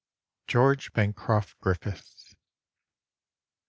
—George Bancroft Griffith.